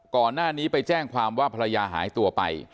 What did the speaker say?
ก่อนหน้านี้ไปแจ้งความว่าภรรยาหายตัวไป